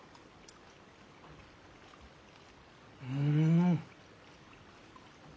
うん！